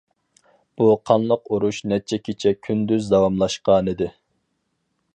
بۇ قانلىق ئۇرۇش نەچچە كېچە-كۈندۈز داۋاملاشقانىدى.